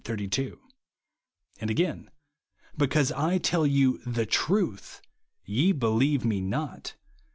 32) ; and again, " because I tell you the truth, ye believe me not.